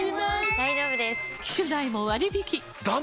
大丈夫です！